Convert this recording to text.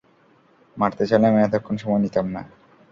মারতে চাইলে আমি এতক্ষণ সময় নিতাম না।